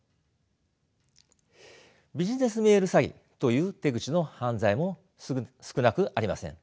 ビジネスメール詐欺という手口の犯罪も少なくありません。